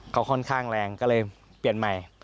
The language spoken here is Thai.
เขาค่อนข้างแรงก็เลยเปลี่ยนใหม่